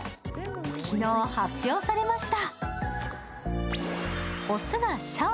昨日、発表されました。